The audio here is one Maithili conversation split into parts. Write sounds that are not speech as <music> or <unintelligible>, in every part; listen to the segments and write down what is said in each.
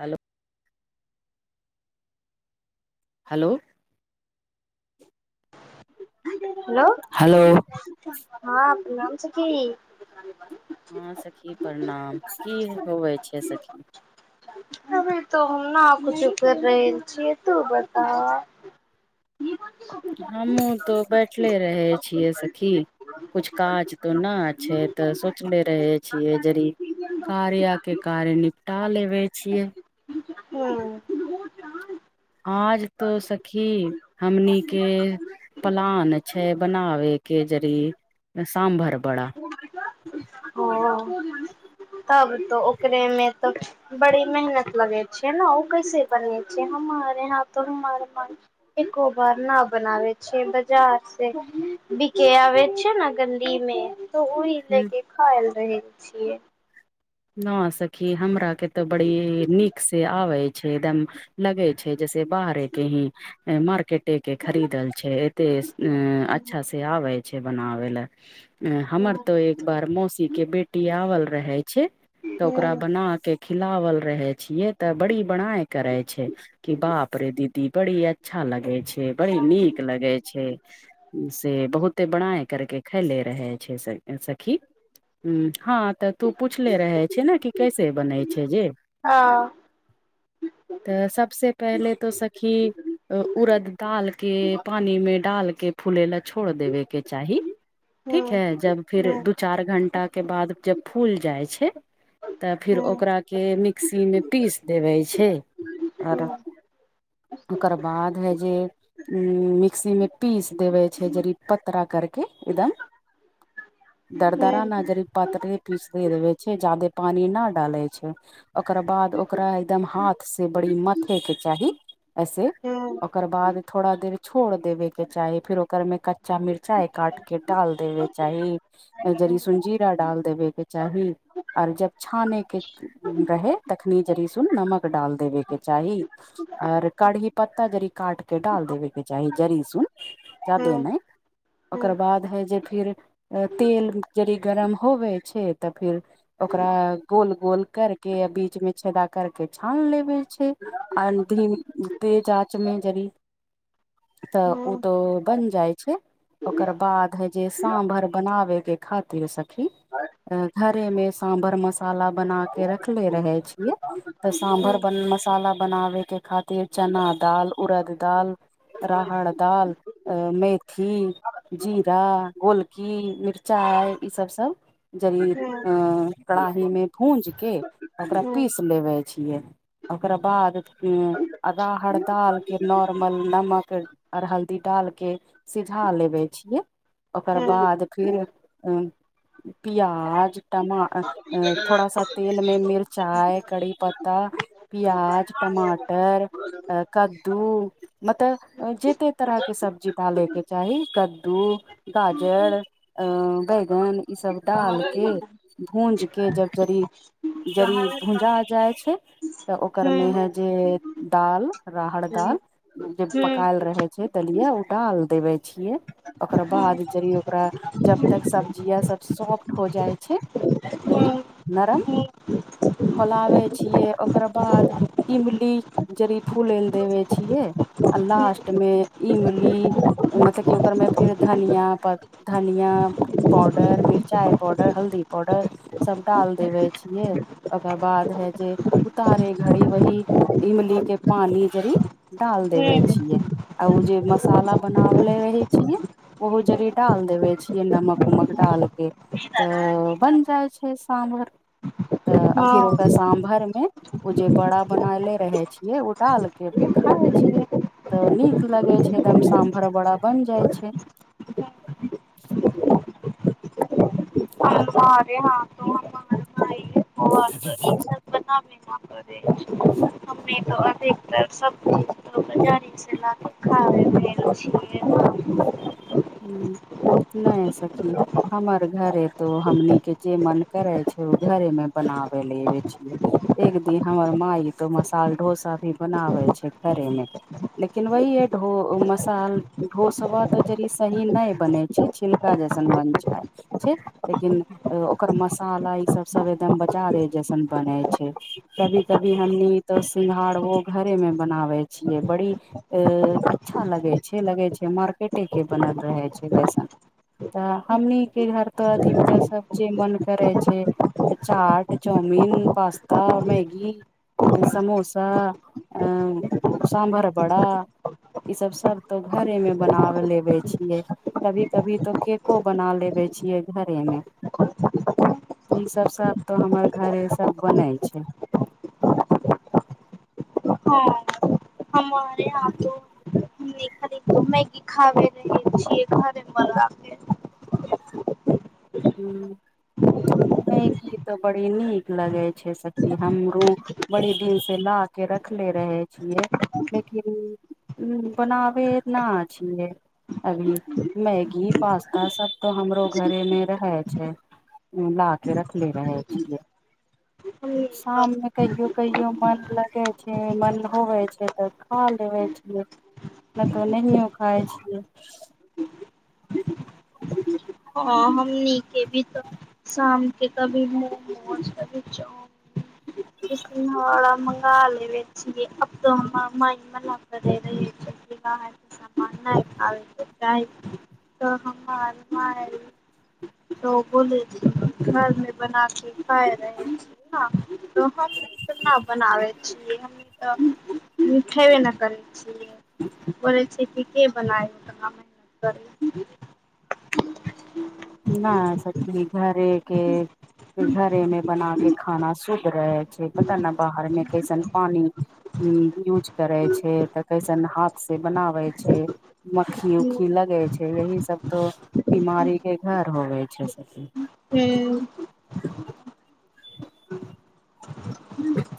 हेलो हेलो हेलो हेलो हँ पुनम छिखी हँ सखी प्रणाम की होवए छै सखी अभी तो हम न कुछो कर रहल छियै तू बता <inaudible> हमहुँ तऽ बैठले रहै छियै सखी कुछु काज त नहि छै तऽ सोचले रहे छियै जड़ कार्य के कार्य निपटा लेबे छियै हं आज त सखी हमनीे पलन छै बनाव के जरी स्भर बड़ा हँ तब तऽ ओकरे में तऽ <unintelligible> बड़ी मेहनत लगे छैै ने ओ कैसे बने छै हमर एह त हमर मन एको बार न बनाबे छ बाजार से बिके आबे छै ने गली में वही ले ह के खाय ल रहे छियै न सखी हमरा के ते बड़ी नीक से आवे दम लगे छै जैसे बाहरे के ही मार्केट एते के खरीदल छै एते अच्छा से आवे छ बनाबे लए हमर तऽ एक बार मौसी के बेटी आवल रहे छै त हूँ ओकरा बना क खिलावल रहै छियै तऽ बड़ी बराई करै छै की बाप रे दीदी बड़ी अच्छा लगे छै बड़ी नीक लगै छै से बहुते बराई करके खले रहै छै सखी हम्म हँ तऽ तू पुछले रहे छ ने कि कैसे बनै छै जे हँ तऽ सबसे पहले तो सखी उड़द दाल के पानी में डालके फूले ला छोड़ देबे के चाही ठीक है जब फिर दू चार घंटाके बाद जब फूल जाइ छै तऽ फेर ओकरा के मिक्सी में पीस देबै छै आरो ओकर बाद हइ जे उ मिक्सी में पीस देबे छै जड़ि पतरा करके एकदम दरदारा नजरी पातरे पीस दे देवे छै ज्यादे पानी न डाले छै ओकरा बाद ओकरा एकदम हाथ से बड़ी मथे के चाही ऐसे ओकर बाद थोड़ा देर छोड़ देबे के चाही फिर ओकर में कच्चा मिर्चाई काट के डाल देब चाही जरी सु जीरा डाल देबे के चाही आर जब छाने के रहे तखनी जरीसू नमक डाल देबेके चाही ओर कढ़ी पत्ता जरी काट के डाल देब के चाही जरीसून जादे नहि ओकर बाद है जे फिर तेल यदि गरम होबे तऽ फिर ओकरा गोल गोल करके बीच में छेदा करके छान लेबे छै आ धीमी आ तेज आँच में जड़ी तऽ उ त बन जाइ छै ओकर बाद हे जे सामभर बनाबे के खातिर सखी हं घरे मे सभर मसा मसाला बना के रखले रहे छिये तऽ सांभर मसाला बनावे के खातिर चना दाल उरद दाल राहड़ दाल मेथी जीरा गोलकी मिरचाइ ईसब सब ज अ कड़ाही में भूज के ओकरा हूँ हूँ पीस लेबे छियै ओकरा बाद राहड़ दाल के नोर्मल नमक ओर हल्दी डाल के सीझा लेबे छिय ओकर हूँ बाद फिर प्याज टमा थोड़ा सा तेल में मिरचाइ कढ़ी पत्ता प्यज टमाटर अ कद्दू मतलब जतेक तरहके सब्जी डालय के चाही कद्दू गाजर अ बैगन ई सब डाल के भुन्ज <unintelligible> के जब जरी जड़ी भुजा जाइ छै तऽ ओकर मे है जे दाल राहड़ दाल जे पकायल रहे छै देलिये उ डाल देवे छियै ओकर बाद जड़ी ओकरा जब तक सब्जिया सब सॉफ्ट हो जाइ छै दबी हूँ नरम हूँ खोलाबे छियै ओकर बाद ईमली जरी फूले ल देबै छिये लास्ट में इमली मतलब क ओकर में फिर धनिया पत धनिया <inaudible> डर मिरचाइ पाउडर हल्दी पाउडर सब डाल देवे छियै ओकर बाद है जे उतारे घड़ी वही इमली के पानि जड़ी डाल हूँ देबै हूँ छीयै ओ जे मसाला बनावले रहे छियै ओहो जरी डाल देबै छिए नमक उमक डाल के हँ त बन जाए छै साम्भर त आकिर ओकर अरे साम्भर मे ओ जे बड़ा बनाले रहे छियै ओ डाल के फेर खाय छियै त नीक लगे छै एकदम साम्भर बड़ा बन जाय छै हमारे हा त हम भ ईजजत बनाबे अधिकतर सब च ल खा छिय <inaudible> हू न सखी हमर घरे तो हमनी के जे मन करै छै ओ घरे में बनाबे लेबे छियै एक दिन हमर माय तो मसाल डोसा भी बनावे छै घरे में लेकिन वही है ढो मसाल ढोसबा त जड़ी सही नहि बनै छै छिलका जइसन बन छै छै लेकिन ओकर मसाला ई सब सब एकदम बाजारे जैसन बनय छै कभी कभी हमनी त सिंंगार ओ घरे में बनावे छिये बड़ी अच्छा लगे छै लगे छै मार्केटे के बनल रहे छै वैसन त हमनी के घर त अधिकतर सभ जे मन करै छै chaat chowmein pasta Maggi samosa sambar बड़ा ईसब सब तो घरेमे बनाव लेबे छियै कभी कभी तो केको बना लेबे छियै घरे मे ई सब सब तो हमर घरे सब बनै छै हँ हमारे यहाँ तो देख देखू दिखाबे नहि छिय घर मे हूँ नहिकी ऽ बड़ी नीक लगै छै सखी हमरो बड़ी दिन से ला के रख ले रहे छियै लेकिन उ बनाबेना छियै अभी मैगी पास्ता सब तऽ हमरो घरे में रहै छै ला के रख ले रहै छी हमनी शाममे कहियो कहियो मन लगै छै मन होबैत छै तऽ खा लेबै छिये नहि तऽ नहियो खाय छियै हँ हम नीके भी तऽ शाम के कभी मोमोज कभी चो ना मंगा लेबे छिये अब तो <unintelligible> <unintelligible> मामा <unintelligible> न नहि हम <unintelligible> त बोले छिये घरमे बना <inaudible> तऽ खेबे नहि करै छीयै बोलै छै कि के बनायना मेहनत करू न सखी घरेके घरे मे बना के खाना शुद्ध रहे छै पता न बाहर मे कैसन पानि यूज करै छै तऽ कैसन हाथसँ बनाबै छै मक्खी उक्खी लगे छै यही सब तो बिमारी के घर होवे छै सखी हू <inaudible>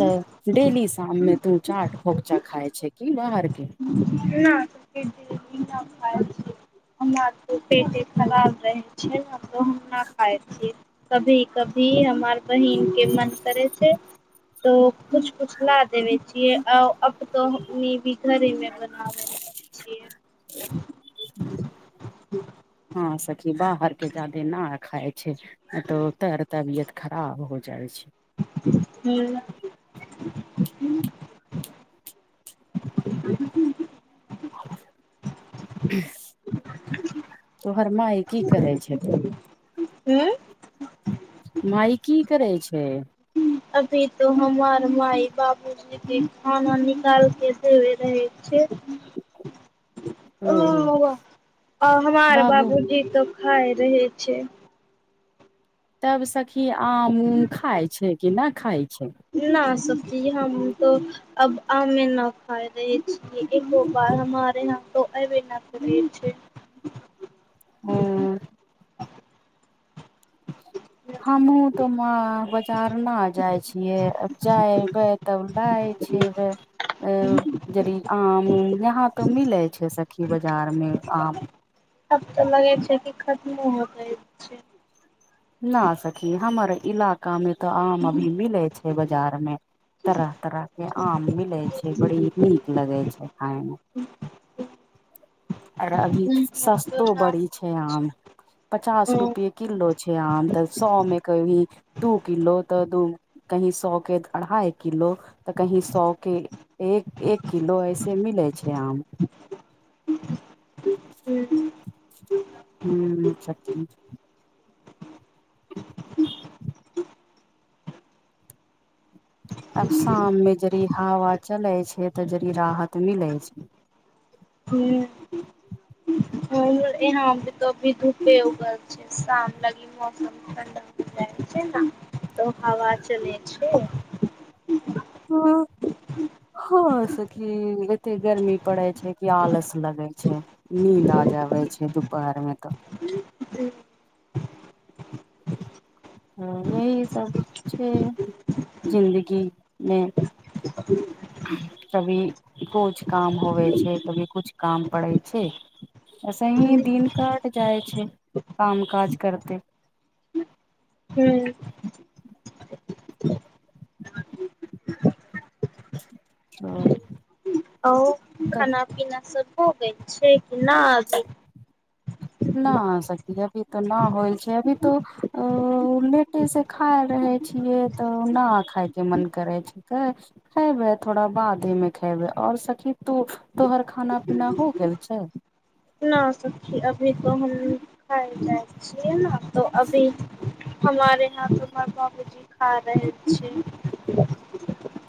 तऽ डेली शाम मे तू चाट फोकचा खाय छै कि बाहर के <inaudible> हमर तो पेटे खराब रहे छै हम तो हम न खाय छीय कभी कभी हमार बहिन के मन करै छै तो कुछ कुछ ला देवे छियै आ अब तो घरीमे बनाबे रहे छियै <inaudible> हँं सखी बाहर के जादे न खाय छै तो तर तर बियत खराब हो जाइ छै हू तोहर माय की करै छै त उ्म <inaudible> माइ की करै छै अभी तो हमार माय बाबू जी खाना निकाल के देेबे रहै छै ओ आ हमार बाबू बाबूजी त खाय रहे छै तब सखी आम उम खाय छै कि नहि खाय छै न सखी हम तऽ अब आमे न खाय रहे छियै एको बार हमारे यहां त एबे नै करय छै हू हमू तऽ म बजार न जाइ छियै आ जाएबय तब लएइ छियैबे आ जदि आम उम यहाँ त मिले छै सखी बाजार मे आम तब तऽ लगे छै कि खत्म हो जाइ छै न सखी हमार इलाका मे तऽ आम अभी मिले छै बाजार मे तरह तरह के आम मिले छै बड़ी नीक लगै छै खााशय मे आर अभी सस्तो बड़ी छै आम पचास रुपे किलो छै आम तऽ सौ मे कभी टु किलो तऽ दू कही सौ के अढ़ाइ किलो तऽ कहीं सौ के एक एक किलो ऐसे मिलै छै आम ह्म सच आब शाम मे जरी हवा चले छै तऽ जरी राहत मिलै छै ह <inaudible> ही यहाँ पर त अभी धूपे उगल छै शाम लाग मौसम ठण्डा जाइ छै ने तऽ हवा चलय छे हँ <inaudible> हँ सखी एते गर्मी पड़े छै कि आलस लगे छै नींद आ जाबै छै दुपहर मे तऽ <inaudible> ह यही सब छै जिंन्दगीमे कभी कुछ काम होवे छै कभी कुछ काम पड़ै छै एसे ही हूँ दिन कट जाइ छै काम काज करते हू <inaudible> हँ आ खाना-पिना सभ भऽ गेल छै कि नहि अभी? नहि सखी, अभी तऽ नहि भेल छै, अभी तऽ। तऽ लेटेसँ खा रहल छियै तऽ ने, खाइके मोन करै छिकै। खेबे, थोड़ा बादमे खेबे। आ सखी, तोहर खाना-पिना भऽ गेल छै? नहि सखी, अभी तऽ हम खाइ जाय छियै ने, तऽ अभी। हमरे यहाँ तऽ बाबूजी खा रहल छै।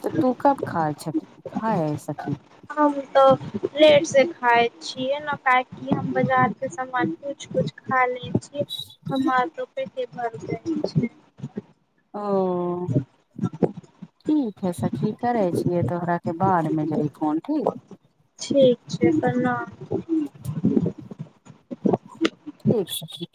तऽ तू कब खाइहऽ, खाहे सखी? हम तऽ लेटसँ खाइ छियै ने कऽ। हम बाजारक सामान किछु-किछु खा लै छियै हम। हमर पेटे भरि जाइ छै। ओ ठीक है सखी, करै छियै तोहराक, बादमे जरि फोन ठीक। ठीक छै। प्रणाम ठीक सखी।